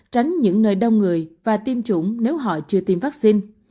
tránh những nơi đông người và tiêm chủng nếu họ chưa tiêm vaccine